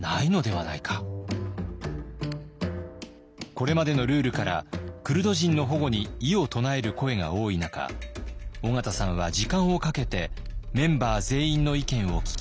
これまでのルールからクルド人の保護に異を唱える声が多い中緒方さんは時間をかけてメンバー全員の意見を聞きます。